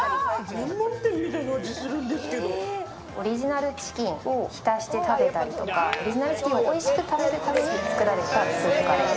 専門店みたオリジナルチキンを浸して食べたりとか、オリジナルチキンをおいしく食べるために作られたスープカレーです。